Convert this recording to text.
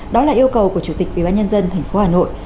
đó là yêu cầu của chủ tịch bí bán nhân dân thành phố hà nội